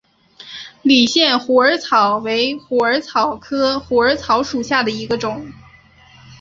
理县虎耳草为虎耳草科虎耳草属下的一个种。